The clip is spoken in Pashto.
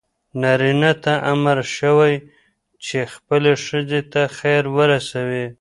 نارینه ته امر شوی چې خپلې ښځې ته خیر ورسوي.